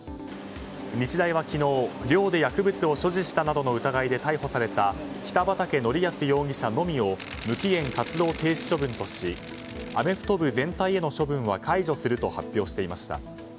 日大は昨日、寮で薬物を所持したなどの疑いで逮捕された北畠成文容疑者のみを無期限活動停止処分としアメフト部全体への処分は解除すると発表していました。